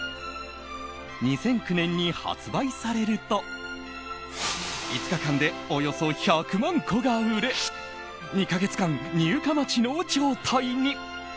２００９年に発売されると５日間でおよそ１００万個が売れ２か月間、入荷待ちの状態に。